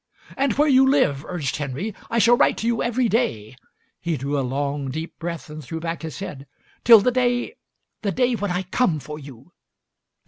"And where you live," urged Henry. "I shall write to you every day." He drew a long, deep breath and threw back his head. "Till the day — the day when I come for you."